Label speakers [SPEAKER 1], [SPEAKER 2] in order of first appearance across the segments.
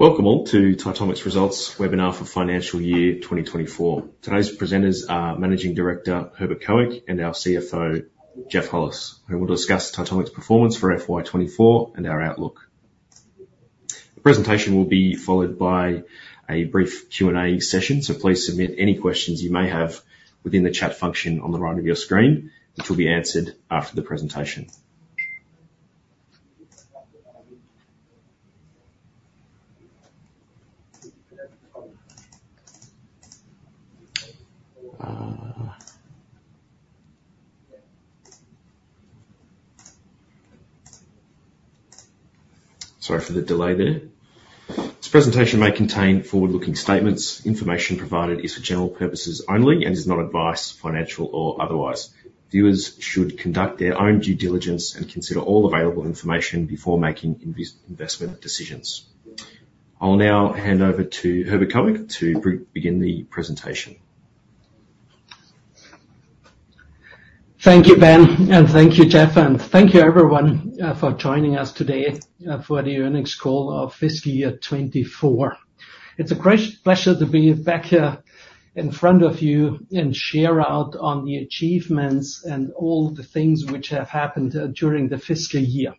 [SPEAKER 1] Welcome all to Titomic's results webinar for financial year 2024. Today's presenters are Managing Director, Herbert Koeck, and our CFO, Geoff Hollis, who will discuss Titomic's performance for FY2024 and our outlook. The presentation will be followed by a brief Q&A session, so please submit any questions you may have within the chat function on the right of your screen, which will be answered after the presentation. Sorry for the delay there. This presentation may contain forward-looking statements. Information provided is for general purposes only and is not advice, financial or otherwise. Viewers should conduct their own due diligence and consider all available information before making investment decisions. I'll now hand over to Herbert Koeck to begin the presentation.
[SPEAKER 2] Thank you, Ben, and thank you, Geoff, and thank you, everyone, for joining us today, for the earnings call of fiscal year 2024. It's a great pleasure to be back here in front of you and share out on the achievements and all the things which have happened, during the fiscal year.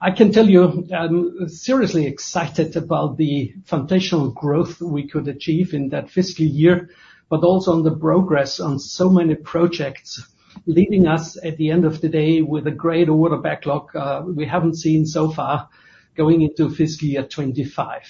[SPEAKER 2] I can tell you, I'm seriously excited about the foundational growth we could achieve in that fiscal year, but also on the progress on so many projects, leaving us, at the end of the day, with a great order backlog, we haven't seen so far going into fiscal year 2025.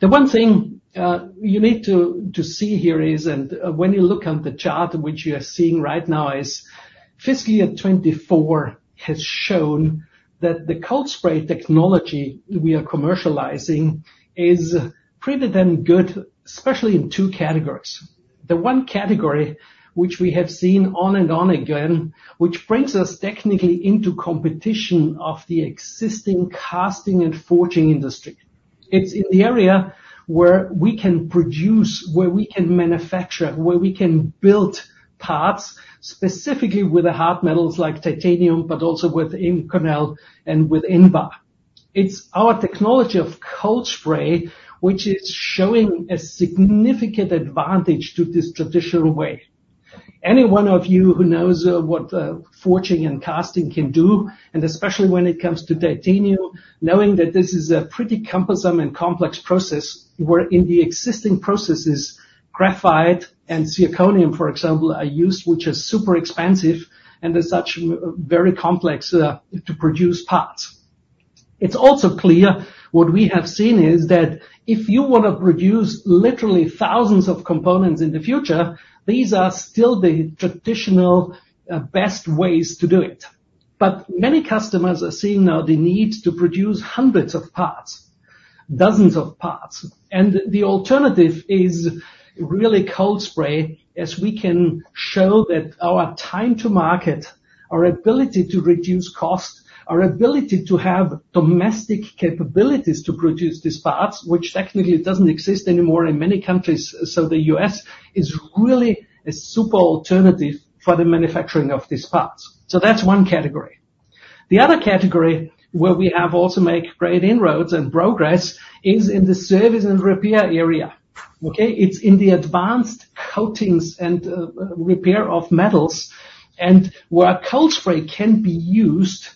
[SPEAKER 2] The one thing you need to see here is, and when you look on the chart, which you are seeing right now, is fiscal year 2024 has shown that the Cold Spray Technology we are commercializing is pretty damn good, especially in two categories. The one category which we have seen on and on again, which brings us technically into competition of the existing casting and forging industry. It's in the area where we can produce, where we can manufacture, where we can build parts, specifically with the hard metals like titanium, but also with Inconel and with Invar. It's our technology of Cold Spray, which is showing a significant advantage to this traditional way. Any one of you who knows what forging and casting can do, and especially when it comes to titanium, knowing that this is a pretty cumbersome and complex process, where in the existing processes, graphite and zirconium, for example, are used, which are super expensive and as such, very complex to produce parts. It's also clear, what we have seen is that if you want to produce literally thousands of components in the future, these are still the traditional best ways to do it. But many customers are seeing now the need to produce hundreds of parts, dozens of parts, and the alternative is really Cold Spray, as we can show that our time to market, our ability to reduce cost, our ability to have domestic capabilities to produce these parts, which technically doesn't exist anymore in many countries, so the U.S. is really a super alternative for the manufacturing of these parts. So that's one category. The other category, where we have also made great inroads and progress, is in the service and repair area. Okay? It's in the advanced coatings and repair of metals, and where Cold Spray can be used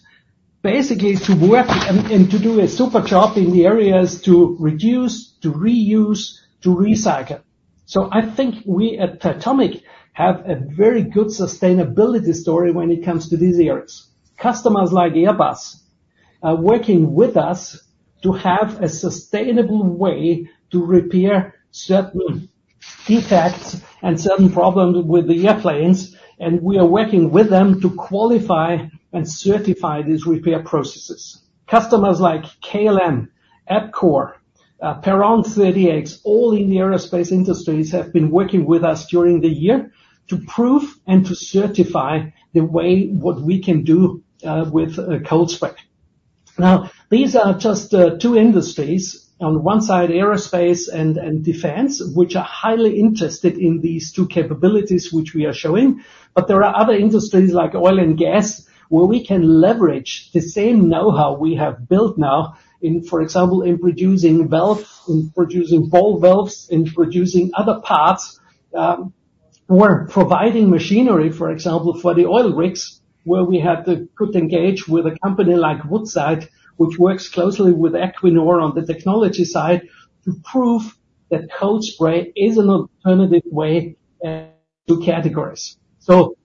[SPEAKER 2] basically to work and, and to do a super job in the areas to reduce, to reuse, to recycle. So I think we at Titomic have a very good sustainability story when it comes to these areas. Customers like Airbus are working with us to have a sustainable way to repair certain defects and certain problems with the airplanes, and we are working with them to qualify and certify these repair processes. Customers like KLM, EPCOR, Perron038, all in the aerospace industries, have been working with us during the year to prove and to certify what we can do with Cold Spray. Now, these are just two industries, on one side, aerospace and defense, which are highly interested in these two capabilities, which we are showing. But there are other industries, like oil and gas, where we can leverage the same know-how we have built now in, for example, in producing valves, in producing ball valves, in producing other parts. We're providing machinery, for example, for the oil rigs, where we could engage with a company like Woodside, which works closely with Equinor on the technology side, to prove that Cold Spray is an alternative way to castings. So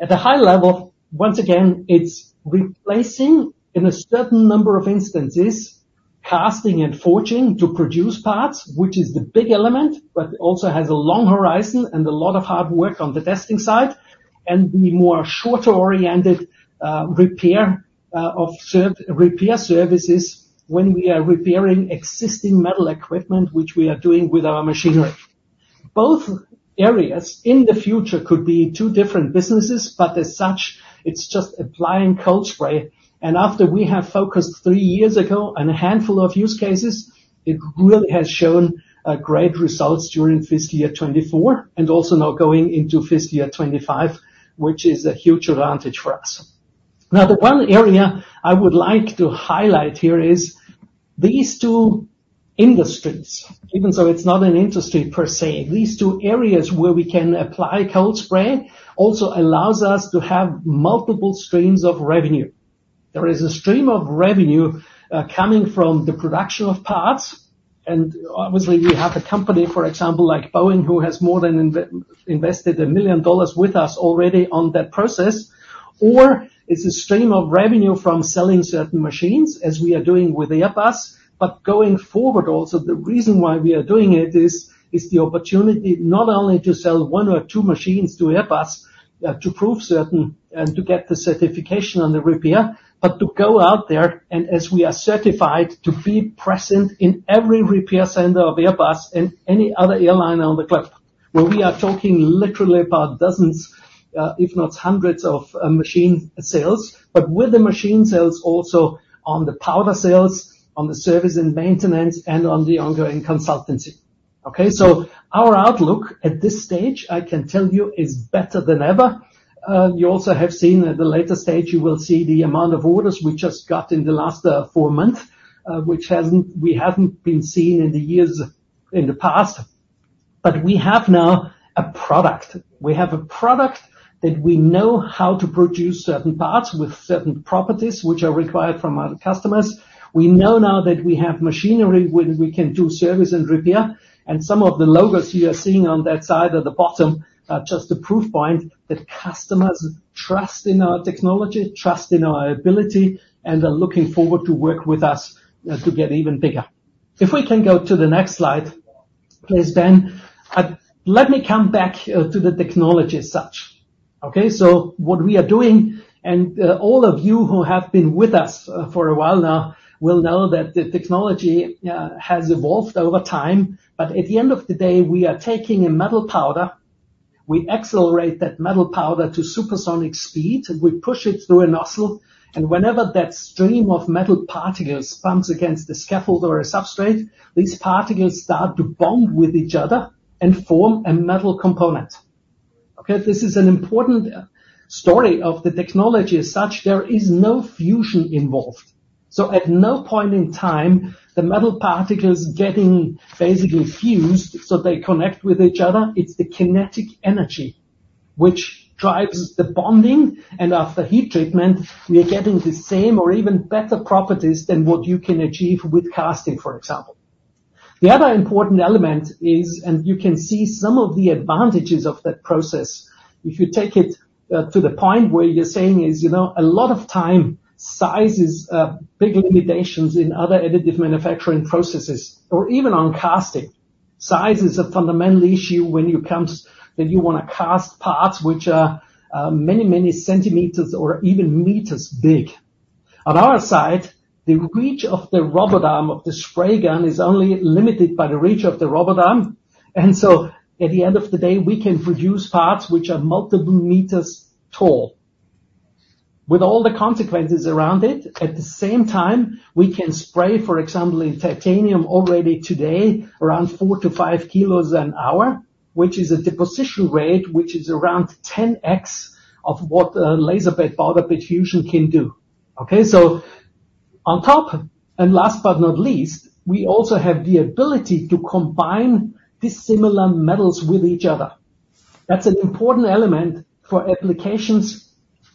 [SPEAKER 2] at a high level, once again, it's replacing, in a certain number of instances, casting and forging to produce parts, which is the big element, but also has a long horizon and a lot of hard work on the testing side, and the more short-term-oriented repair of repair services when we are repairing existing metal equipment, which we are doing with our machinery. Both areas in the future could be two different businesses, but as such, it's just applying Cold Spray. After we have focused three years ago on a handful of use cases, it really has shown great results during fiscal year 2024 and also now going into fiscal year 2025, which is a huge advantage for us. Now, the one area I would like to highlight here is these two industries. Even so it's not an industry per se, these two areas where we can apply Cold Spray also allows us to have multiple streams of revenue. There is a stream of revenue coming from the production of parts, and obviously, we have a company, for example, like Boeing, who has more than invested $1 million with us already on that process. Or it's a stream of revenue from selling certain machines, as we are doing with Airbus but going forward, also, the reason why we are doing it is the opportunity not only to sell one or two machines to Airbus, to prove certain and to get the certification on the repair but to go out there, and as we are certified, to be present in every repair center of Airbus and any other airline on the globe. Where we are talking literally about dozens, if not hundreds of, machine sales. But with the machine sales, also on the powder sales, on the service and maintenance, and on the ongoing consultancy. Okay? So our outlook at this stage, I can tell you, is better than ever. You also have seen at the later stage, you will see the amount of orders we just got in the last four months, which we haven't been seeing in the years in the past. But we have now a product. We have a product that we know how to produce certain parts with certain properties, which are required from our customers. We know now that we have machinery where we can do service and repair, and some of the logos you are seeing on that side at the bottom are just a proof point that customers trust in our technology, trust in our ability, and are looking forward to work with us to get even bigger. If we can go to the next slide, please, Ben. Let me come back to the technology as such. Okay? So what we are doing, and all of you who have been with us for a while now will know that the technology has evolved over time. But at the end of the day, we are taking a metal powder, we accelerate that metal powder to supersonic speed, and we push it through a nozzle. And whenever that stream of metal particles bumps against a scaffold or a substrate, these particles start to bond with each other and form a metal component. Okay, this is an important story of the technology as such. There is no fusion involved, so at no point in time, the metal particles getting basically fused, so they connect with each other. It's the kinetic energy which drives the bonding, and after heat treatment, we are getting the same or even better properties than what you can achieve with casting, for example. The other important element is, and you can see some of the advantages of that process. If you take it to the point where you're saying is, you know, a lot of time, sizes big limitations in other additive manufacturing processes or even on casting. Size is a fundamental issue when you wanna cast parts, which are many, many centimeters or even meters big. On our side, the reach of the robot arm, of the spray gun, is only limited by the reach of the robot arm. And so at the end of the day, we can produce parts which are multiple meters tall, with all the consequences around it. At the same time, we can spray, for example, in titanium already today, around four to five kilos an hour, which is a deposition rate, which is around ten x of what a laser powder bed fusion can do. Okay? So on top, and last but not least, we also have the ability to combine dissimilar metals with each other. That's an important element for applications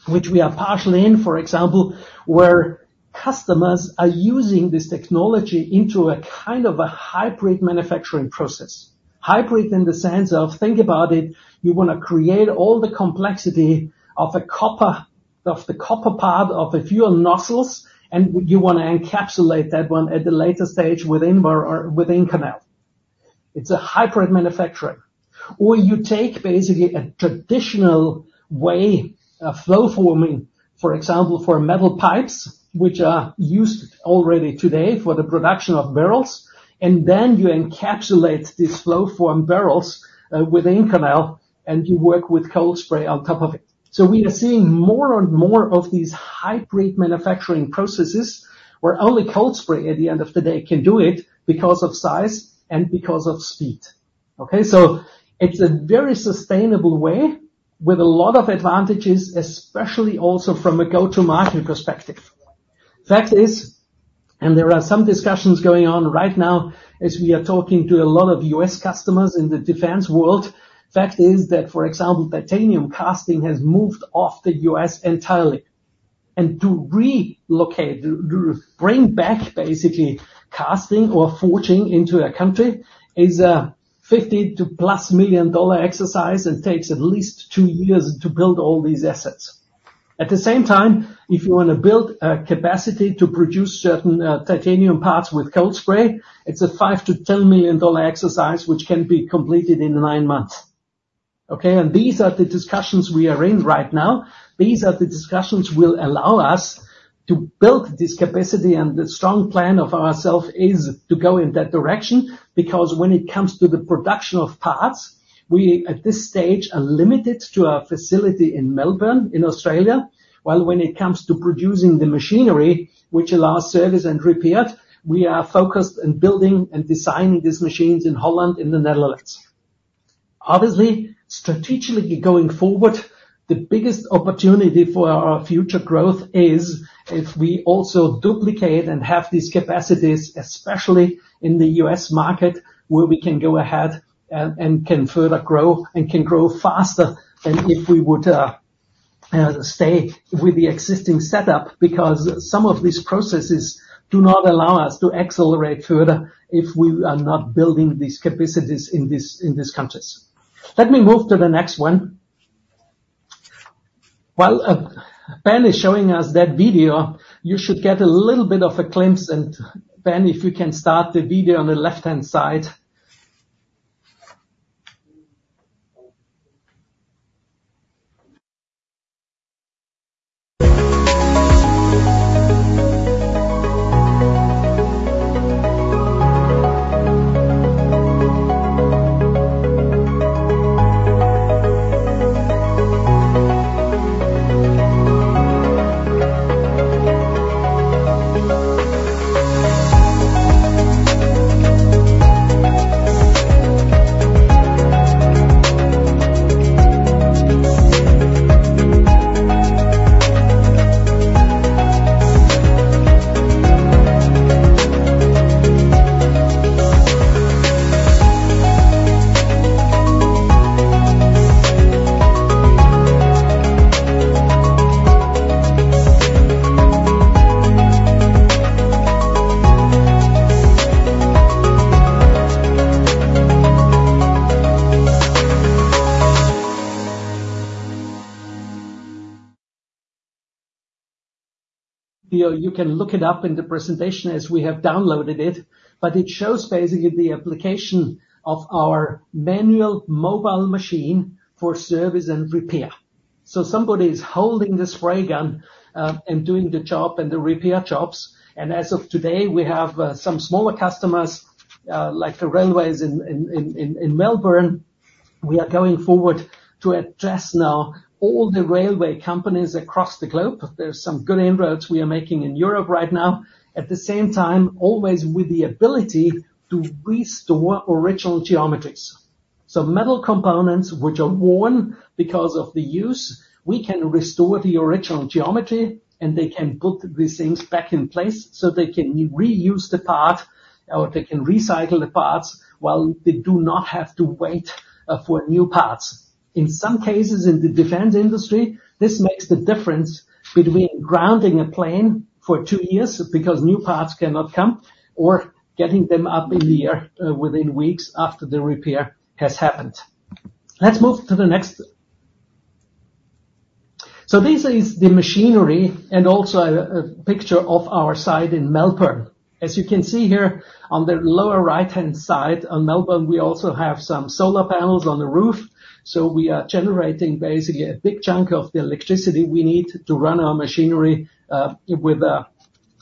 [SPEAKER 2] which we are partially in, for example, where customers are using this technology into a kind of a hybrid manufacturing process. Hybrid in the sense of, think about it, you wanna create all the complexity of a copper part, of the fuel nozzles, and you wanna encapsulate that one at the later stage within or with Inconel. It's a hybrid manufacturing or you take basically a traditional way of flow forming, for example, for metal pipes, which are used already today for the production of barrels, and then you encapsulate these flow form barrels with Inconel, and you work with Cold Spray on top of it. We are seeing more and more of these hybrid manufacturing processes, where only Cold Spray, at the end of the day, can do it because of size and because of speed. Okay? So it's a very sustainable way with a lot of advantages, especially also from a go-to-market perspective. Fact is, and there are some discussions going on right now as we are talking to a lot of U.S. customers in the defense world, fact is that, for example, titanium casting has moved off the U.S. entirely. And to relocate, to bring back basically casting or forging into a country, is a 50- to-plus-million-dollar exercise, and takes at least two years to build all these assets. At the same time, if you wanna build a capacity to produce certain titanium parts with Cold Spray, it's a 5-10 million-dollar exercise, which can be completed in nine months. Okay, and these are the discussions we are in right now. These are the discussions will allow us to build this capacity, and the strong plan of ourself is to go in that direction. Because when it comes to the production of parts, we, at this stage, are limited to our facility in Melbourne, in Australia. While when it comes to producing the machinery, which allows service and repair, we are focused on building and designing these machines in Holland, in the Netherlands. Obviously, strategically going forward, the biggest opportunity for our future growth is if we also duplicate and have these capacities, especially in the U.S. market, where we can go ahead and can further grow and can grow faster than if we would stay with the existing setup, because some of these processes do not allow us to accelerate further if we are not building these capacities in these countries. Let me move to the next one. While Ben is showing us that video, you should get a little bit of a glimpse, and Ben, if you can start the video on the left-hand side. You know, you can look it up in the presentation as we have downloaded it, but it shows basically the application of our manual mobile machine for service and repair. So somebody is holding the spray gun, and doing the job and the repair jobs, and as of today, we have some smaller customers, like the railways in Melbourne. We are going forward to address now all the railway companies across the globe. There are some good inroads we are making in Europe right now. At the same time, always with the ability to restore original geometries, so metal components, which are worn because of the use, we can restore the original geometry, and they can put these things back in place so they can reuse the part, or they can recycle the parts while they do not have to wait for new parts. In some cases, in the defense industry, this makes the difference between grounding a plane for two years because new parts cannot come, or getting them up in the air, within weeks after the repair has happened. Let's move to the next. So this is the machinery and also a, a picture of our site in Melbourne. As you can see here on the lower right-hand side, on Melbourne, we also have some solar panels on the roof, so we are generating basically a big chunk of the electricity we need to run our machinery, with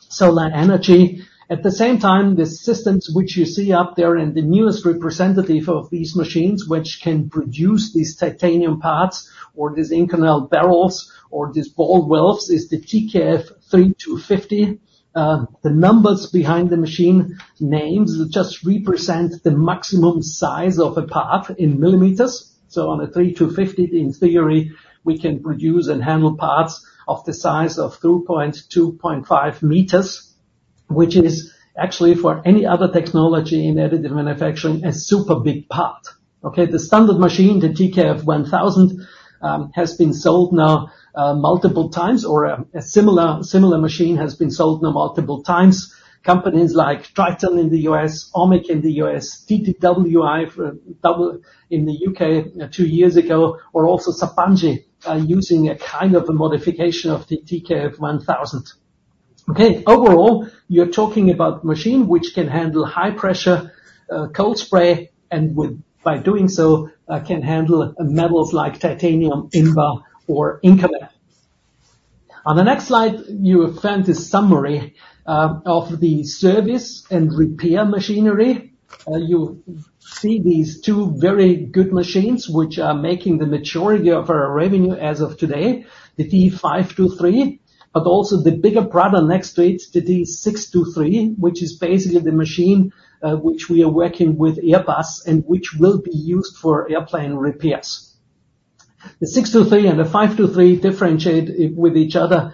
[SPEAKER 2] solar energy. At the same time, the systems which you see up there, and the newest representative of these machines, which can produce these titanium parts or these Inconel barrels or these ball valves, is the TKF 3250. The numbers behind the machine names just represent the maximum size of a part in millimeters. So on a three two fifty, in theory, we can produce and handle parts of the size of 2.5m, which is actually for any other technology in additive manufacturing, a super big part. Okay, the standard machine, the TKF 1000, has been sold now multiple times, or a similar machine has been sold now multiple times. Companies like Triton in the U.S., OMIC in the U.S., TWI Global in the U.K. two years ago, or also Sabanci, are using a kind of a modification of the TKF 1000. Okay, overall, you're talking about machine which can handle high pressure Cold Spray, and by doing so, can handle metals like titanium, Invar, or Inconel. On the next slide, you will find a summary of the service and repair machinery. You see these two very good machines, which are making the majority of our revenue as of today, the D523, but also the bigger brother next to it, the D623, which is basically the machine which we are working with Airbus and which will be used for airplane repairs. The D623 and the D523 differentiate with each other,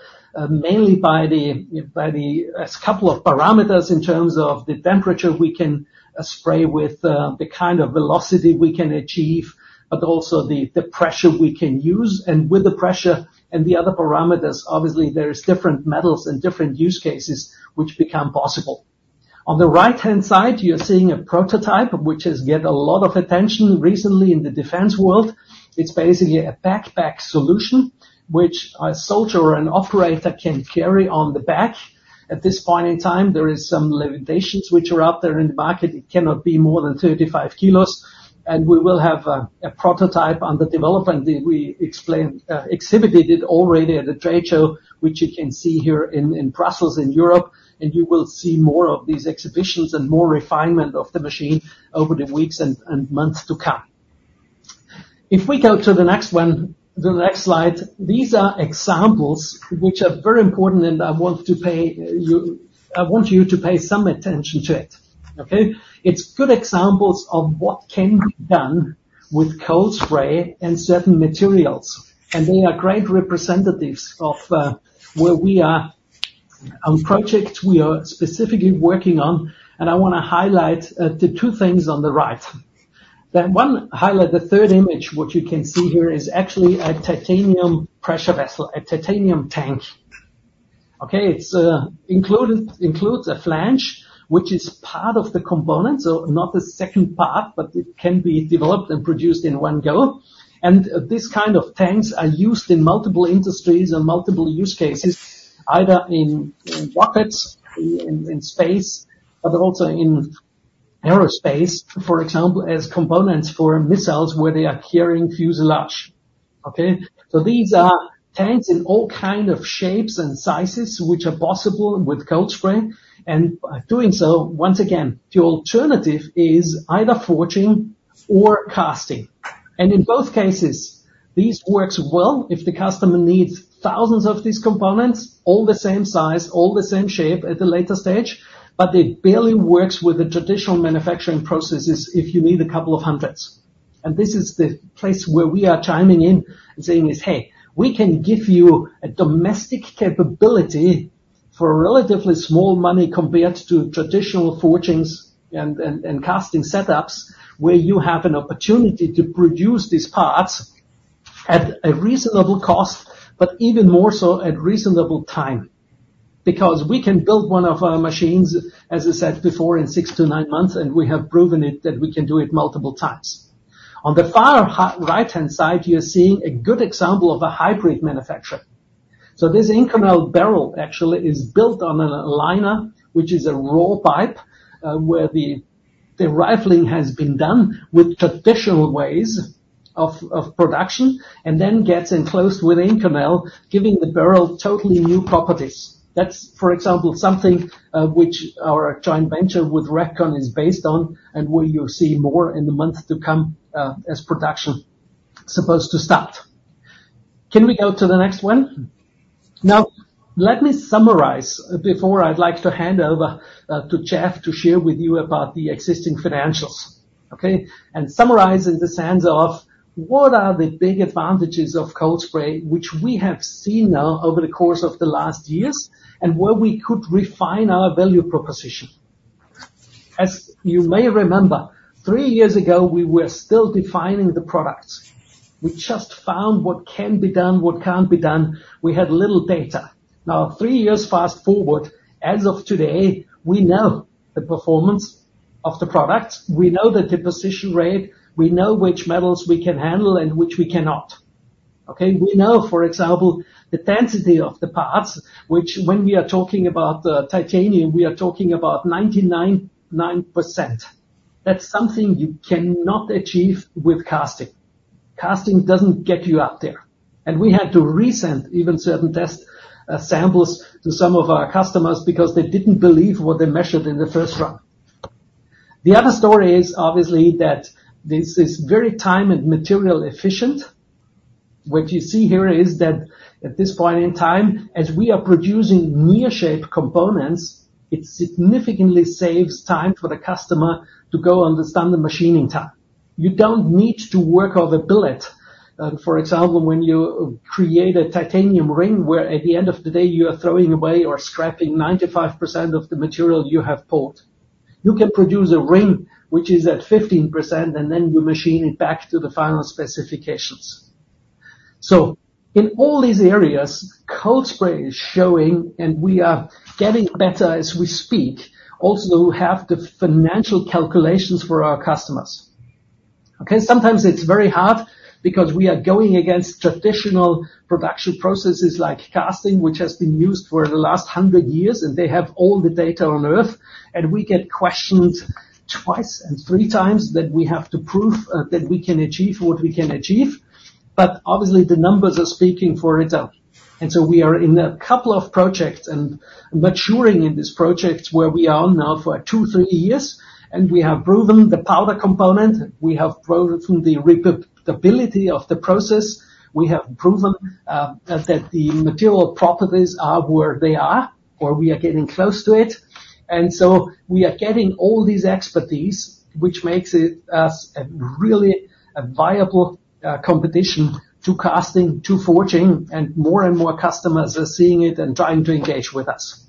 [SPEAKER 2] mainly by a couple of parameters in terms of the temperature we can spray with, the kind of velocity we can achieve, but also the pressure we can use. With the pressure and the other parameters, obviously, there is different metals and different use cases which become possible. On the right-hand side, you're seeing a prototype, which has gotten a lot of attention recently in the defense world. It's basically a backpack solution, which a soldier or an operator can carry on the back. At this point in time, there is some limitations which are out there in the market it cannot be more than 35 kg, and we will have a prototype under development we exhibited it already at a trade show, which you can see here in Brussels, in Europe, and you will see more of these exhibitions and more refinement of the machine over the weeks and months to come. If we go to the next one, the next slide, these are examples which are very important, and I want you to pay some attention to it, okay? It's good examples of what can be done with Cold Spray and certain materials, and they are great representatives of where we are on projects we are specifically working on. And I wanna highlight the two things on the right. That one, highlight the third image, which you can see here, is actually a titanium pressure vessel, a titanium tank. Okay, it includes a flange, which is part of the component, so not the second part, but it can be developed and produced in one go. And these kind of tanks are used in multiple industries and multiple use cases, either in rockets, in space, but also in aerospace, for example, as components for missiles where they are carrying fuel, okay? So these are tanks in all kind of shapes and sizes, which are possible with Cold Spray. By doing so, once again, the alternative is either forging or casting. In both cases, these works well if the customer needs thousands of these components, all the same size, all the same shape at a later stage, but it barely works with the traditional manufacturing processes if you need a couple of hundreds. This is the place where we are chiming in and saying is, "Hey, we can give you a domestic capability for a relatively small money compared to traditional forgings and casting setups, where you have an opportunity to produce these parts at a reasonable cost, but even more so, at reasonable time." Because we can build one of our machines, as I said before, in six to nine months, and we have proven it, that we can do it multiple times. On the far right-hand side, you're seeing a good example of a hybrid manufacture. So this Inconel barrel actually is built on a liner, which is a raw pipe, where the rifling has been done with traditional ways of production, and then gets enclosed with Inconel, giving the barrel totally new properties. That's, for example, something which our joint venture with Repkon is based on, and where you'll see more in the months to come, as production supposed to start. Can we go to the next one? Now, let me summarize before I'd like to hand over to Geoff to share with you about the existing financials, okay, and summarize in the sense of what are the big advantages of Cold Spray, which we have seen now over the course of the last years, and where we could refine our value proposition. As you may remember, three years ago, we were still defining the products. We just found what can be done, what can't be done. We had little data. Now, three years fast forward, as of today, we know the performance of the product, we know the deposition rate, we know which metals we can handle and which we cannot. Okay? We know, for example, the density of the parts, which when we are talking about titanium, we are talking about 99.9%. That's something you cannot achieve with casting. Casting doesn't get you up there, and we had to resend even certain test samples to some of our customers because they didn't believe what they measured in the first run. The other story is, obviously, that this is very time and material efficient. What you see here is that at this point in time, as we are producing near-net-shape components, it significantly saves time for the customer to go on the standard machining time. You don't need to work on a billet. For example, when you create a titanium ring, where at the end of the day you are throwing away or scrapping 95% of the material you have pulled. You can produce a ring which is at 15%, and then you machine it back to the final specifications. So in all these areas, Cold Spray is showing, and we are getting better as we speak. Also, we have the financial calculations for our customers. Okay, sometimes it's very hard because we are going against traditional production processes like casting, which has been used for the last hundred years, and they have all the data on Earth, and we get questioned twice and three times that we have to prove that we can achieve what we can achieve, but obviously, the numbers are speaking for itself. And so we are in a couple of projects and maturing in these projects, where we are now for two, three years, and we have proven the powder component, we have proven the repeatability of the process, we have proven that the material properties are where they are, or we are getting close to it. And so we are getting all these expertise, which makes us a really viable competition to casting, to forging, and more and more customers are seeing it and trying to engage with us.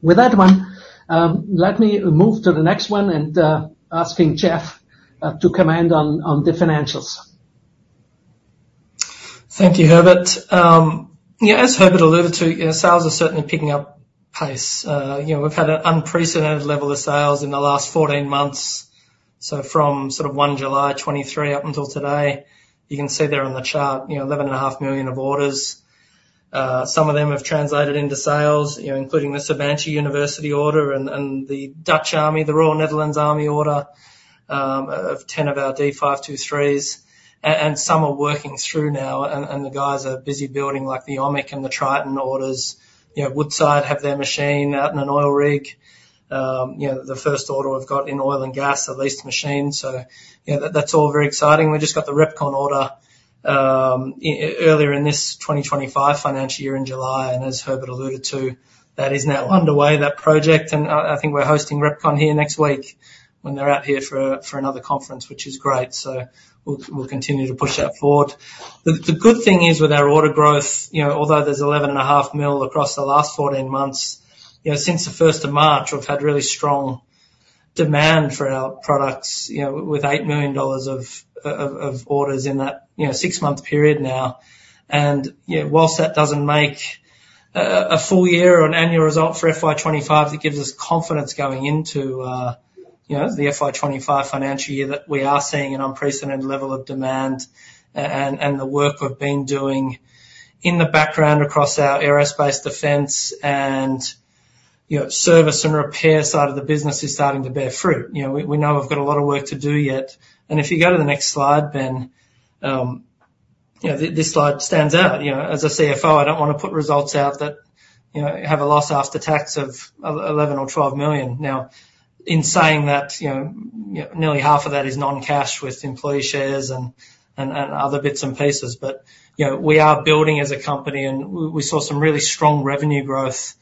[SPEAKER 2] With that one, let me move to the next one, and asking Geoff to comment on the financials.
[SPEAKER 3] Thank you, Herbert. Yeah, as Herbert alluded to, sales are certainly picking up pace. You know, we've had an unprecedented level of sales in the last fourteen months. So from sort of one July 2023 up until today, you can see there on the chart, you know, 11.5 million of orders. Some of them have translated into sales, you know, including the Sabanci University order and the Dutch army, the Royal Netherlands Army order of 10 of our D523s, and some are working through now, and the guys are busy building, like the OMIC and the Triton orders. You know, Woodside have their machine out in an oil rig. You know, the first order we've got in oil and gas, the leased machine. So yeah, that's all very exciting. We just got the Repkon order earlier in this 2025 financial year in July, and as Herbert alluded to, that is now underway, that project. And I think we're hosting Repkon here next week when they're out here for another conference, which is great. So we'll continue to push that forward. The good thing is, with our order growth, you know, although there's 11.5 million across the last 14 months, you know, since the first of March, we've had really strong demand for our products, you know, with 8 million dollars of orders in that, you know, six-month period now. Yeah, while that doesn't make a full year or an annual result for FY2025, it gives us confidence going into, you know, the FY2025 financial year, that we are seeing an unprecedented level of demand. And the work we've been doing in the background across our aerospace, defense, and, you know, service and repair side of the business is starting to bear fruit. You know, we know we've got a lot of work to do yet. If you go to the next slide, Ben, you know, this slide stands out. You know, as a CFO, I don't wanna put results out that, you know, have a loss after tax of 11-12 million. Now, in saying that, you know, nearly half of that is non-cash with employee shares and other bits and pieces. You know, we are building as a company, and we saw some really strong revenue growth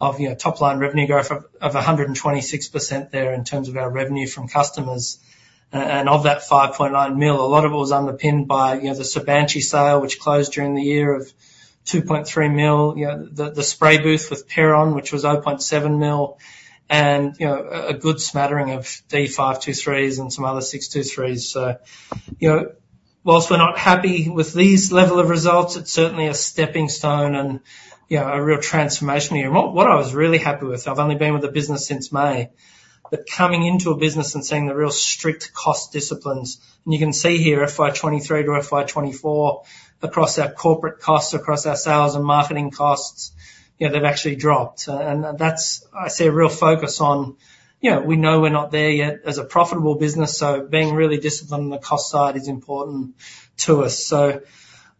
[SPEAKER 3] of, you know, top-line revenue growth of 126% there in terms of our revenue from customers. And of that 5.9 million, a lot of it was underpinned by, you know, the Sabanci sale, which closed during the year, of 2.3 million, you know, the spray booth with Perron038, which was 0.7 million, and, you know, a good smattering of D523s and some other D623s. So, you know, while we're not happy with this level of results, it is certainly a stepping stone and, you know, a real transformation here. What I was really happy with, I have only been with the business since May, but coming into a business and seeing the real strict cost disciplines and you can see here, FY2023 to FY2024, across our corporate costs, across our sales and marketing costs, you know, they've actually dropped a nd that's, I see, a real focus on, you know, we know we're not there yet as a profitable business, so being really disciplined on the cost side is important to us. Ben,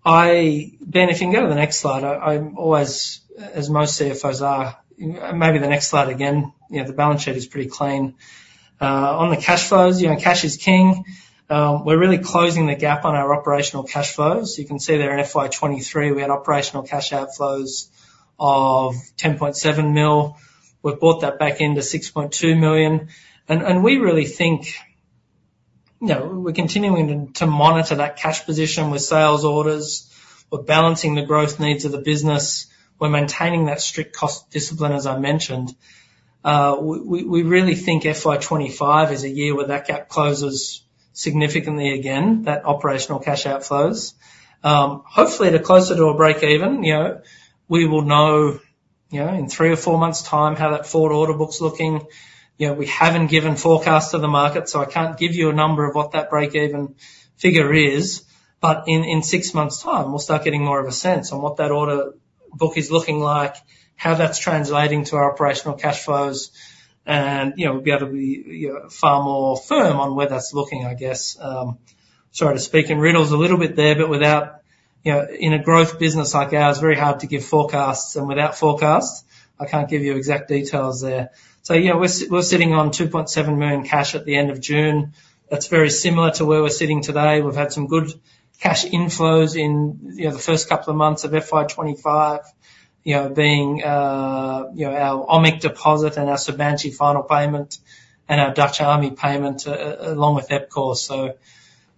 [SPEAKER 3] if you can go to the next slide. I'm always, as most CFOs are... Maybe the next slide again. You know, the balance sheet is pretty clean. On the cash flows, you know, cash is king. We're really closing the gap on our operational cash flows. You can see there in FY2023, we had operational cash outflows of 10.7 million. We've brought that back into 6.2 million, and we really think, you know, we're continuing to monitor that cash position with sales orders. We're balancing the growth needs of the business. We're maintaining that strict cost discipline, as I mentioned. We really think FY2025 is a year where that gap closes significantly again, that operational cash outflows. Hopefully, they're closer to a break even, you know. We will know, you know, in three or four months' time how that forward order book's looking. You know, we haven't given forecast to the market, so I can't give you a number of what that break even figure is, but in six months' time, we'll start getting more of a sense on what that order book is looking like, how that's translating to our operational cash flows, and, you know, we'll be able to be, you know, far more firm on where that's looking, I guess. Sorry to speak in riddles a little bit there, but without. You know, in a growth business like ours, it's very hard to give forecasts, and without forecasts, I can't give you exact details there. So, yeah, we're sitting on 2.7 million cash at the end of June. That's very similar to where we're sitting today. We've had some good cash inflows in, you know, the first couple of months of FY2025, you know, being our OMIC deposit and our Sabanci final payment and our Dutch Army payment, along with EPCOR. So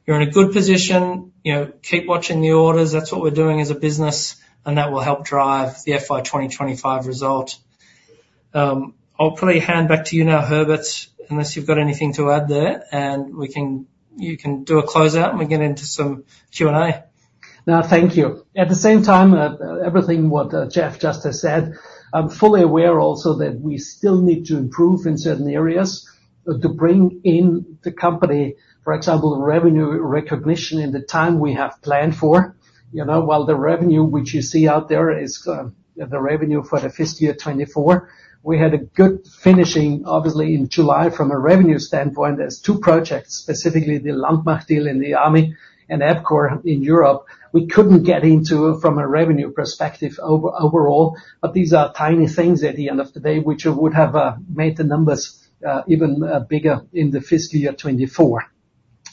[SPEAKER 3] you're in a good position. You know, keep watching the orders. That's what we're doing as a business, and that will help drive the FY2025 result. I'll probably hand back to you now, Herbert, unless you've got anything to add there, and we can, you can do a closeout, and we get into some Q&A.
[SPEAKER 2] No, thank you. At the same time, everything what Geoff just has said, I'm fully aware also that we still need to improve in certain areas to bring in the company, for example, revenue recognition in the time we have planned for. You know, while the revenue which you see out there is the revenue for the fiscal year 2024, we had a good finishing, obviously, in July from a revenue standpoint. There's two projects, specifically the Landmacht deal in the Army and EPCOR in Europe. We couldn't get into from a revenue perspective overall, but these are tiny things at the end of the day, which would have made the numbers even bigger in the fiscal year 2024.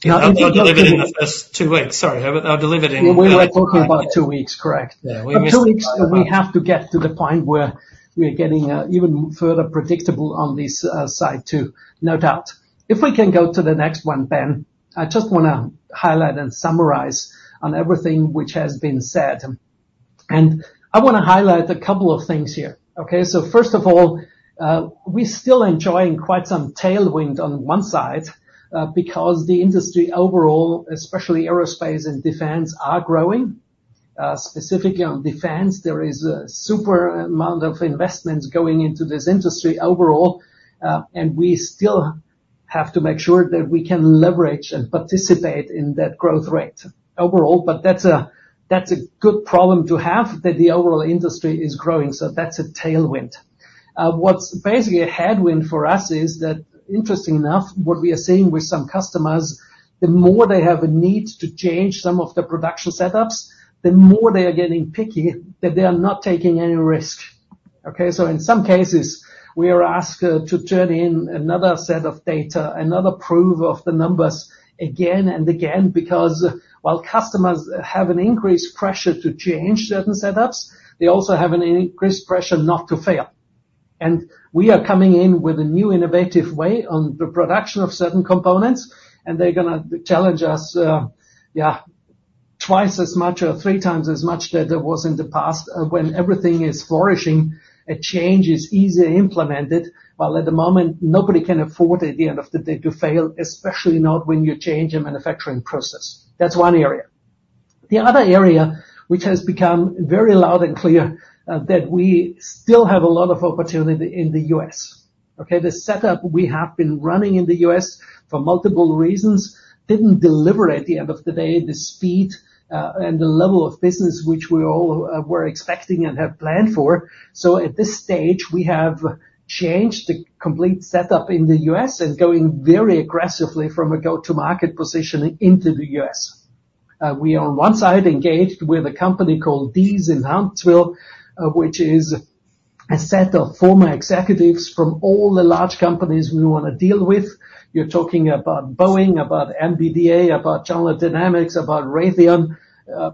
[SPEAKER 3] I believe it in the first two weeks. Sorry, Herbert, I believe it in-
[SPEAKER 2] We were talking about two weeks, correct?
[SPEAKER 3] Yeah.
[SPEAKER 2] Two weeks, we have to get to the point where we're getting even further predictable on this side, too. No doubt. If we can go to the next one, Ben, I just wanna highlight and summarize on everything which has been said, and I wanna highlight a couple of things here. Okay, so first of all, we're still enjoying quite some tailwind on one side because the industry overall, especially aerospace and defense, are growing. Specifically on defense, there is a super amount of investment going into this industry overall, and we still have to make sure that we can leverage and participate in that growth rate overall, but that's a good problem to have, that the overall industry is growing, so that's a tailwind. What's basically a headwind for us is that, interestingly enough, what we are seeing with some customers, the more they have a need to change some of the production setups, the more they are getting picky, that they are not taking any risk. Okay? So in some cases, we are asked to turn in another set of data, another proof of the numbers again and again, because while customers have an increased pressure to change certain setups, they also have an increased pressure not to fail. And we are coming in with a new innovative way on the production of certain components, and they're gonna challenge us, twice as much or three times as much that there was in the past. When everything is flourishing, a change is easily implemented, while at the moment, nobody can afford, at the end of the day, to fail, especially not when you change a manufacturing process. That's one area. The other area, which has become very loud and clear that we still have a lot of opportunity in the U.S. Okay? The setup we have been running in the U.S. for multiple reasons, didn't deliver, at the end of the day, the speed, and the level of business which we all were expecting and had planned for. So at this stage, we have changed the complete setup in the U.S. and going very aggressively from a go-to-market position into the U.S.. We are on one side engaged with a company called DESE in Huntsville, which is a set of former executives from all the large companies we wanna deal with. You're talking about Boeing, about MBDA, about General Dynamics, about Raytheon,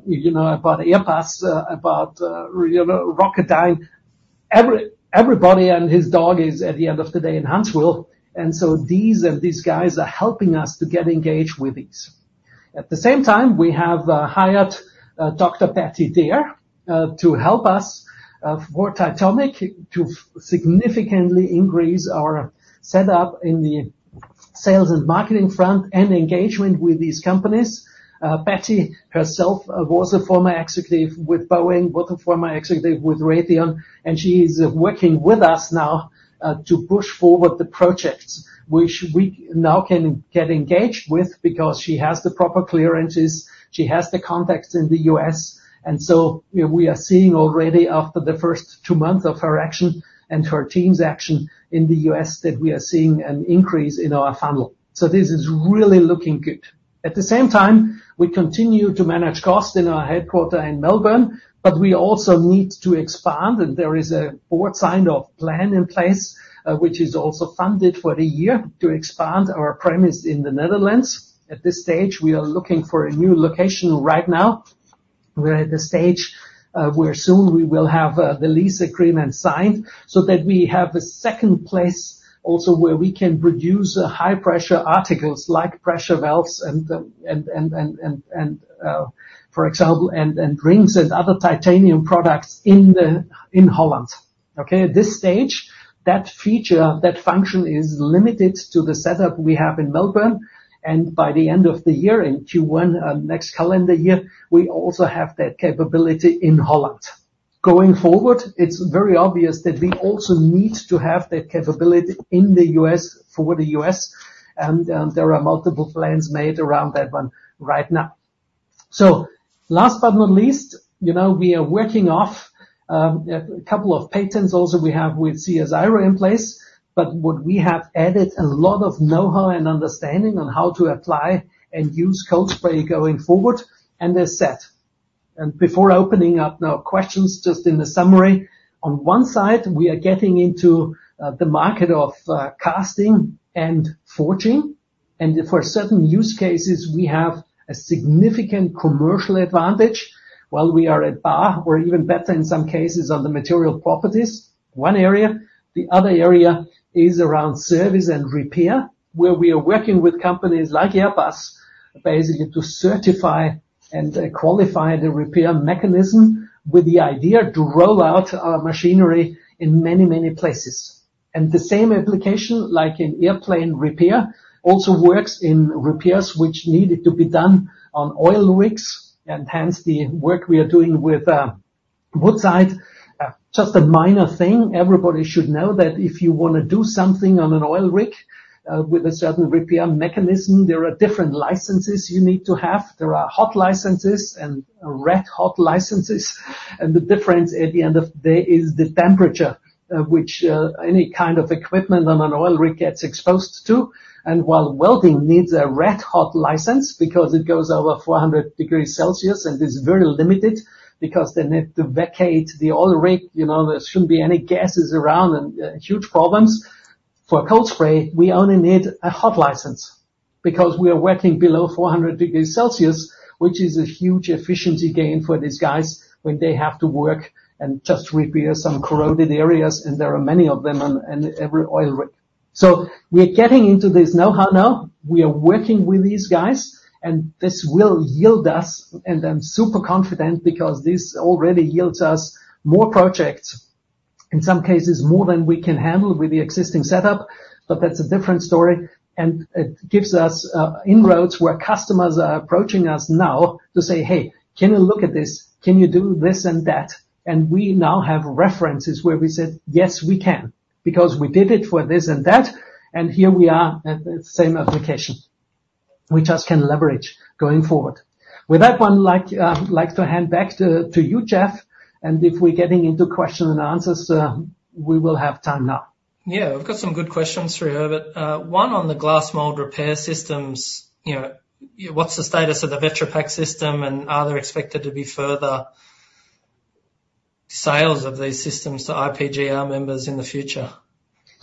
[SPEAKER 2] you know, about Airbus, about, you know, Rocketdyne. Everybody and his dog is, at the end of the day, in Huntsville, and so these, and these guys are helping us to get engaged with these. At the same time, we have hired Dr. Patty Dare to help us, for Titomic, to significantly increase our setup in the sales and marketing front and engagement with these companies. Patty herself was a former executive with Boeing, was a former executive with Raytheon, and she is working with us now to push forward the projects which we now can get engaged with because she has the proper clearances, she has the contacts in the U.S., and so, you know, we are seeing already, after the first two months of her action and her team's action in the U.S., that we are seeing an increase in our funnel. So this is really looking good. At the same time, we continue to manage cost in our headquarters in Melbourne, but we also need to expand, and there is a board signed-off plan in place, which is also funded for the year, to expand our premises in the Netherlands. At this stage, we are looking for a new location right now. We're at the stage where soon we will have the lease agreement signed, so that we have a second place also where we can produce high pressure articles, like pressure valves and, for example, rings and other titanium products in Holland. Okay? At this stage, that feature, that function, is limited to the setup we have in Melbourne, and by the end of the year, in Q1 of next calendar year, we also have that capability in Holland. Going forward, it's very obvious that we also need to have that capability in the US for the US, and there are multiple plans made around that one right now. So last but not least, you know, we are working off a couple of patents also we have with CSIRO in place, but what we have added a lot of know-how and understanding on how to apply and use Cold Spray going forward, and they're set. And before opening up now questions, just in the summary, on one side, we are getting into the market of casting and forging, and for certain use cases, we have a significant commercial advantage. While we are at par, or even better in some cases, on the material properties, one area. The other area is around service and repair, where we are working with companies like Airbus, basically to certify and qualify the repair mechanism, with the idea to roll out our machinery in many, many places. And the same application, like in airplane repair, also works in repairs which needed to be done on oil rigs, and hence the work we are doing with Woodside. Just a minor thing, everybody should know that if you wanna do something on an oil rig, with a certain repair mechanism, there are different licenses you need to have. There are hot licenses and red-hot licenses, and the difference, at the end of the day, is the temperature, which any kind of equipment on an oil rig gets exposed to. While welding needs a red-hot license, because it goes over 400 degrees Celsius and is very limited, because they need to vacate the oil rig, you know, there shouldn't be any gases around and huge problems, for Cold Spray, we only need a hot license, because we are working below 400 degrees Celsius, which is a huge efficiency gain for these guys when they have to work and just repair some corroded areas, and there are many of them on every oil rig. We're getting into this know-how now. We are working with these guys, and this will yield us, and I'm super confident, because this already yields us more projects, in some cases, more than we can handle with the existing setup, but that's a different story. And it gives us inroads where customers are approaching us now to say, "Hey, can you look at this? Can you do this and that?" And we now have references where we said, "Yes, we can," because we did it for this and that, and here we are at the same application. We just can leverage going forward. With that one, like, I'd like to hand back to you, Geoff, and if we're getting into questions and answers, we will have time now.
[SPEAKER 1] Yeah, we've got some good questions for you, Herbert. One on the glass mold repair systems, you know, what's the status of the Vetropack system, and are there expected to be further sales of these systems to IPGR members in the future?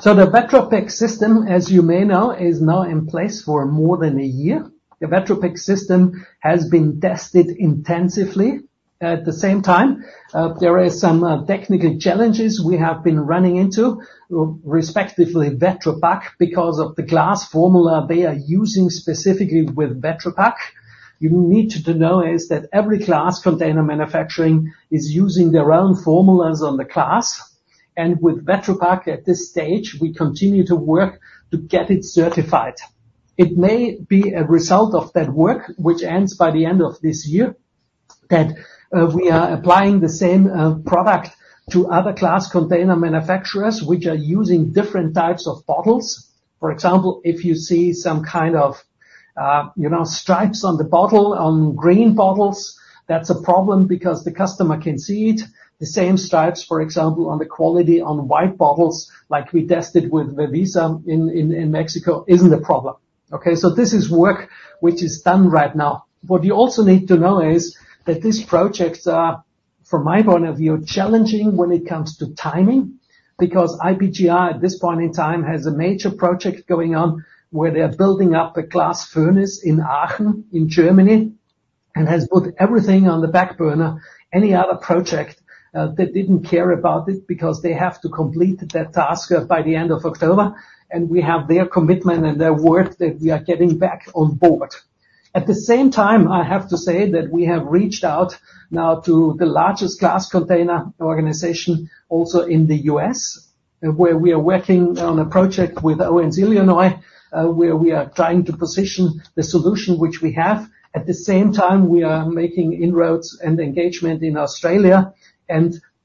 [SPEAKER 2] So the Vetropack system, as you may know, is now in place for more than a year. The Vetropack system has been tested intensively. At the same time, there are some technical challenges we have been running into, respectively, Vetropack, because of the glass formula they are using specifically with Vetropack. You need to know is that every glass container manufacturing is using their own formulas on the glass, and with Vetropack, at this stage, we continue to work to get it certified. It may be a result of that work, which ends by the end of this year, that we are applying the same product to other glass container manufacturers, which are using different types of bottles. For example, if you see some kind of, you know, stripes on the bottle, on green bottles, that's a problem because the customer can see it. The same stripes, for example, on the quality on white bottles, like we tested with Vetropack in Mexico, isn't a problem. Okay? So this is work which is done right now. What you also need to know is that these projects are, from my point of view, challenging when it comes to timing, because IPGR, at this point in time, has a major project going on where they are building up a glass furnace in Aachen, in Germany, and has put everything on the back burner, any other project, they didn't care about it because they have to complete that task by the end of October, and we have their commitment and their word that we are getting back on board. At the same time, I have to say that we have reached out now to the largest glass container organization also in the U.S., where we are working on a project with Owens-Illinois, where we are trying to position the solution which we have. At the same time, we are making inroads and engagement in Australia.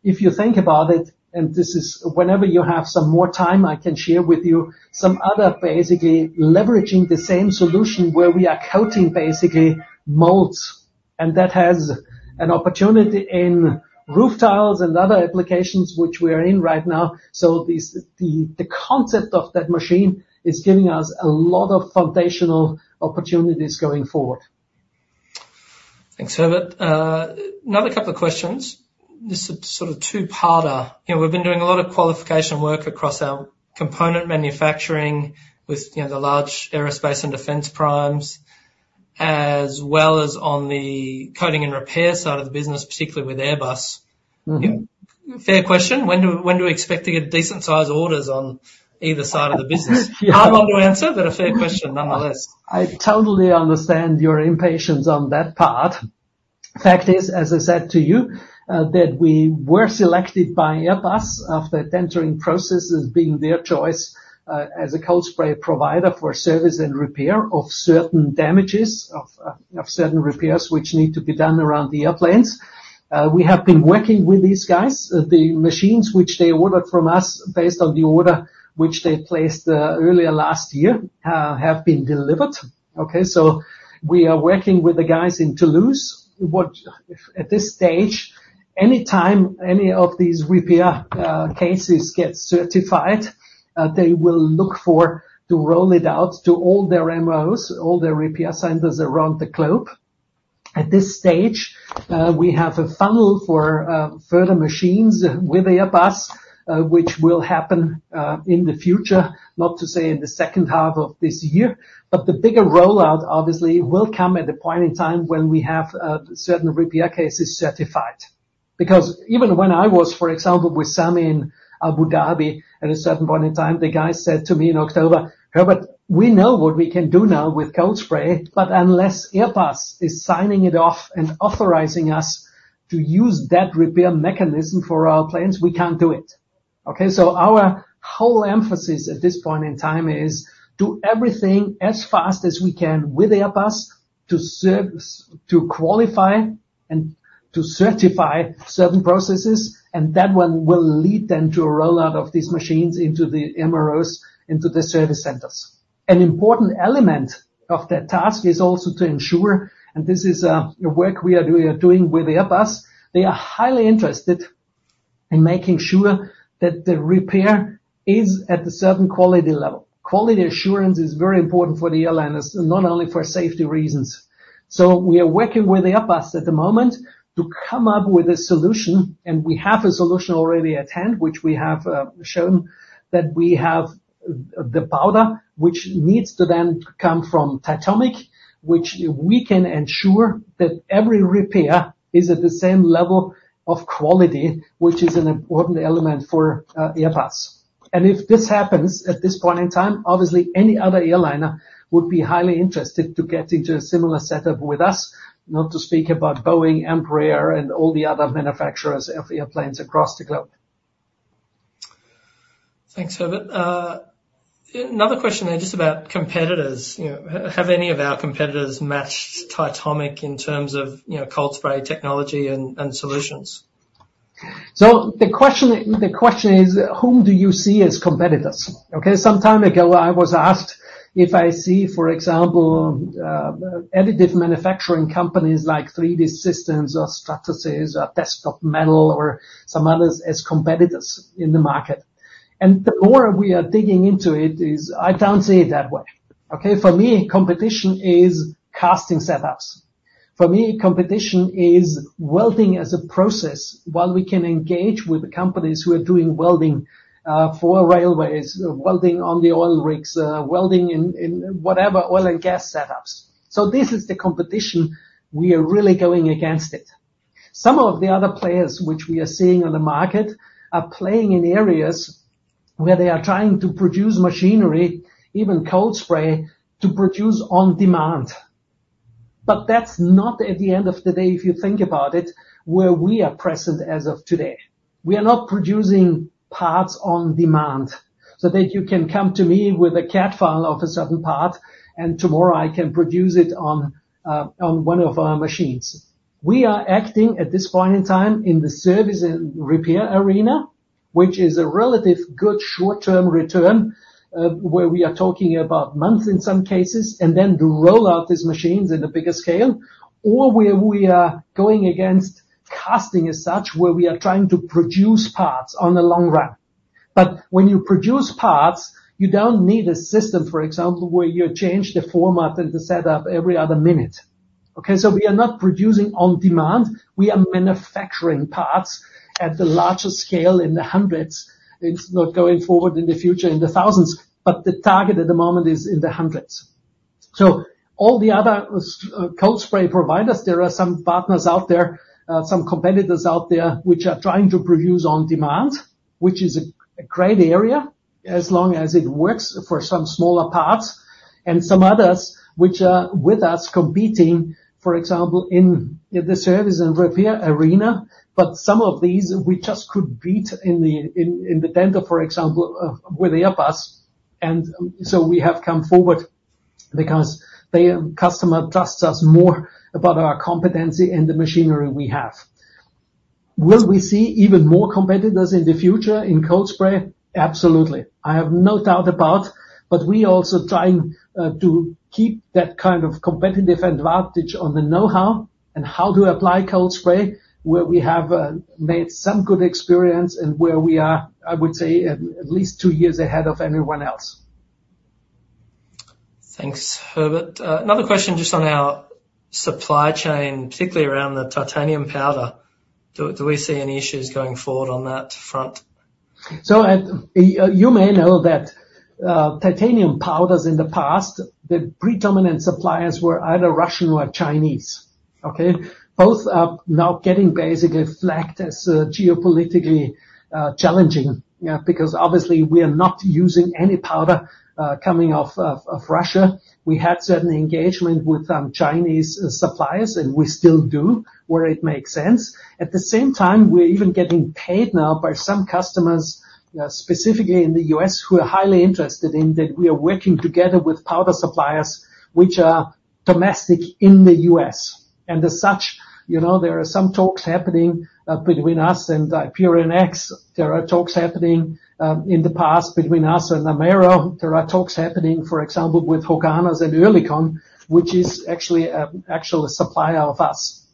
[SPEAKER 2] If you think about it, and this is, whenever you have some more time, I can share with you some other basically leveraging the same solution, where we are coating basically molds, and that has an opportunity in roof tiles and other applications which we are in right now. So these, the concept of that machine is giving us a lot of foundational opportunities going forward.
[SPEAKER 1] Thanks, Herbert. Another couple of questions. This is a sort of two-parter. You know, we've been doing a lot of qualification work across our component manufacturing with, you know, the large aerospace and defense primes, as well as on the coating and repair side of the business, particularly with Airbus.
[SPEAKER 2] Mm-hmm.
[SPEAKER 1] Fair question: when do we expect to get decent-sized orders on either side of the business?
[SPEAKER 2] Yeah.
[SPEAKER 1] Hard one to answer, but a fair question nonetheless.
[SPEAKER 2] I totally understand your impatience on that part. Fact is, as I said to you, that we were selected by Airbus after entering processes being their choice, as a Cold Spray provider for service and repair of certain damages, of, of certain repairs, which need to be done around the airplanes. We have been working with these guys. The machines which they ordered from us, based on the order which they placed, earlier last year, have been delivered. Okay, so we are working with the guys in Toulouse. At this stage, anytime any of these repair cases get certified, they will look for to roll it out to all their MOs, all their repair centers around the globe. At this stage, we have a funnel for further machines with Airbus, which will happen in the future, not to say in the second half of this year. But the bigger rollout, obviously, will come at a point in time when we have certain repair cases certified. Because even when I was, for example, with SAMI in Abu Dhabi, at a certain point in time, the guy said to me in October: "Herbert, we know what we can do now with Cold Spray, but unless Airbus is signing it off and authorizing us to use that repair mechanism for our planes, we can't do it." Okay? So our whole emphasis at this point in time is, do everything as fast as we can with Airbus to qualify and to certify certain processes, and that one will lead then to a rollout of these machines into the MROs, into the service centers. An important element of that task is also to ensure, and this is, a work we are doing with Airbus, they are highly interested in making sure that the repair is at a certain quality level. Quality assurance is very important for the airliners, not only for safety reasons. So we are working with Airbus at the moment to come up with a solution, and we have a solution already at hand, which we have shown that we have the powder, which needs to then come from Titomic, which we can ensure that every repair is at the same level of quality, which is an important element for Airbus. And if this happens, at this point in time, obviously, any other airliner would be highly interested to get into a similar setup with us, not to speak about Boeing, Embraer, and all the other manufacturers of airplanes across the globe.
[SPEAKER 1] Thanks, Herbert. Another question then, just about competitors. You know, have any of our competitors matched Titomic in terms of, you know, Cold Spray Technology and, and solutions?...
[SPEAKER 2] So the question, the question is, whom do you see as competitors? Okay, some time ago, I was asked if I see, for example, additive manufacturing companies like 3D Systems or Stratasys or Desktop Metal or some others as competitors in the market. And the more we are digging into it, is I don't see it that way, okay? For me, competition is casting setups. For me, competition is welding as a process, while we can engage with the companies who are doing welding for railways, welding on the oil rigs, welding in whatever oil and gas setups. So this is the competition, we are really going against it. Some of the other players which we are seeing on the market, are playing in areas where they are trying to produce machinery, even Cold Spray, to produce on demand. But that's not, at the end of the day, if you think about it, where we are present as of today. We are not producing parts on demand, so that you can come to me with a CAD file of a certain part, and tomorrow I can produce it on one of our machines. We are acting, at this point in time, in the service and repair arena, which is a relative good short-term return, where we are talking about months in some cases, and then to roll out these machines in a bigger scale, or where we are going against casting as such, where we are trying to produce parts on the long run. But when you produce parts, you don't need a system, for example, where you change the format and the setup every other minute, okay? So we are not producing on demand. We are manufacturing parts at the larger scale, in the hundreds, it's not going forward in the future, in the thousands, but the target at the moment is in the hundreds. So all the other Cold Spray providers, there are some partners out there, some competitors out there, which are trying to produce on demand, which is a great area, as long as it works for some smaller parts, and some others, which are with us, competing, for example, in the service and repair arena. But some of these, we just could beat in the tender, for example, where they are us. And so we have come forward because the customer trusts us more about our competency and the machinery we have. Will we see even more competitors in the future in Cold Spray? Absolutely. I have no doubt about. But we're also trying to keep that kind of competitive advantage on the know-how and how to apply Cold Spray, where we have made some good experience and where we are, I would say, at least two years ahead of anyone else.
[SPEAKER 1] Thanks, Herbert. Another question just on our supply chain, particularly around the titanium powder. Do we see any issues going forward on that front?
[SPEAKER 2] You may know that titanium powders in the past, the predominant suppliers were either Russian or Chinese, okay? Both are now getting basically flagged as geopolitically challenging. Because obviously, we are not using any powder coming off of Russia. We had certain engagement with Chinese suppliers, and we still do, where it makes sense. At the same time, we're even getting paid now by some customers specifically in the U.S., who are highly interested in that we are working together with powder suppliers, which are domestic in the U.S. and as such, you know, there are some talks happening between us and IperionX. There are talks happening in the past between us and Amaero. There are talks happening, for example, with Höganäs and Oerlikon, which is actually an actual supplier of us.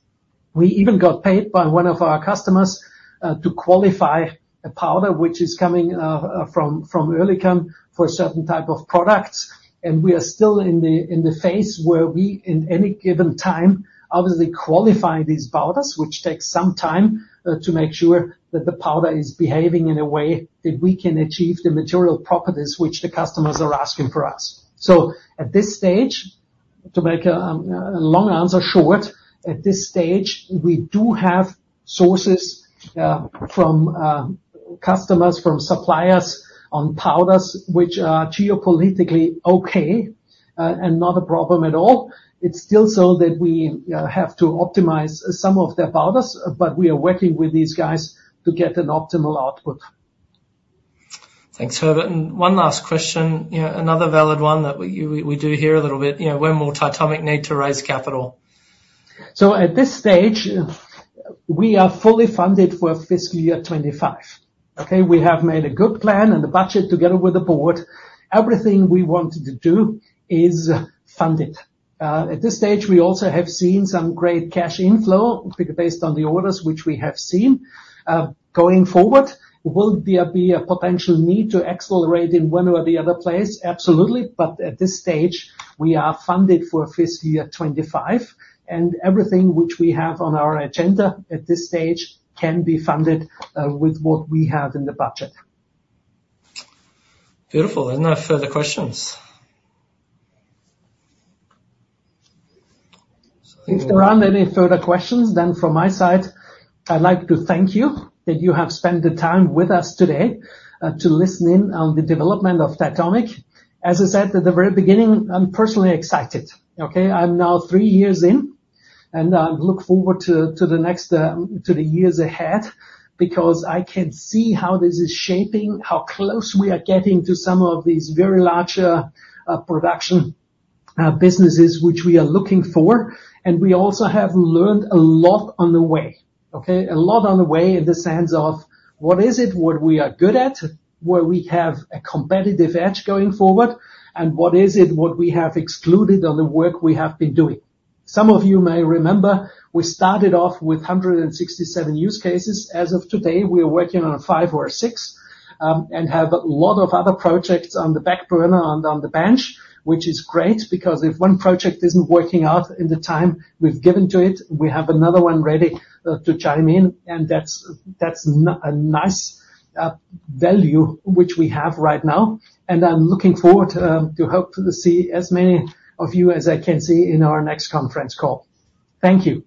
[SPEAKER 2] We even got paid by one of our customers to qualify a powder which is coming from Oerlikon for a certain type of products. And we are still in the phase where we in any given time obviously qualify these powders, which takes some time to make sure that the powder is behaving in a way that we can achieve the material properties which the customers are asking for us. So at this stage, to make a long answer short, at this stage we do have sources from customers, from suppliers on powders, which are geopolitically okay and not a problem at all. It's still so that we have to optimize some of their powders, but we are working with these guys to get an optimal output.
[SPEAKER 1] Thanks, Herbert. And one last question, you know, another valid one that we do hear a little bit, you know, when will Titomic need to raise capital?
[SPEAKER 2] At this stage, we are fully funded for fiscal year 2025, okay? We have made a good plan and a budget together with the board. Everything we wanted to do is funded. At this stage, we also have seen some great cash inflow, based on the orders which we have seen. Going forward, will there be a potential need to accelerate in one or the other place? Absolutely. But at this stage, we are funded for fiscal year 2025, and everything which we have on our agenda at this stage can be funded with what we have in the budget.
[SPEAKER 1] Beautiful. There are no further questions.
[SPEAKER 2] If there aren't any further questions, then from my side, I'd like to thank you that you have spent the time with us today to listen in on the development of Titomic. As I said at the very beginning, I'm personally excited, okay? I'm now three years in, and I look forward to the next to the years ahead, because I can see how this is shaping, how close we are getting to some of these very large production businesses which we are looking for. And we also have learned a lot on the way, okay? A lot on the way, in the sense of: what is it, what we are good at, where we have a competitive edge going forward, and what is it, what we have excluded on the work we have been doing? Some of you may remember, we started off with 167 use cases. As of today, we are working on five or six, and have a lot of other projects on the back burner on the, on the bench, which is great, because if one project isn't working out in the time we've given to it, we have another one ready, to chime in, and that's, that's a nice, value which we have right now. And I'm looking forward, to hope to see as many of you as I can see in our next conference call. Thank you.